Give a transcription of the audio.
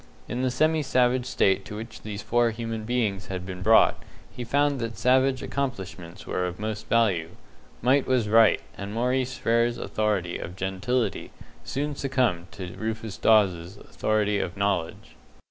In the semi savage state to which these four human beings had been brought, he found that savage accomplishments were of most value. Might was Right, and Maurice Frere's authority of gentility soon succumbed to Rufus Dawes's authority of knowledge.